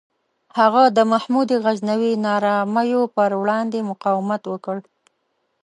هغه د محمود غزنوي نارامیو پر وړاندې مقاومت وکړ.